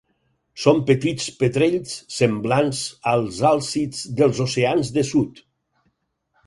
Són petits petrells semblants als àlcids dels oceans de sud.